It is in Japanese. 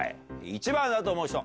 １番だと思う人？